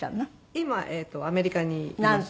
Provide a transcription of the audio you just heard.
今アメリカにいます。